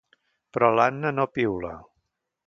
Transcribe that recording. Però l'Anna no piula.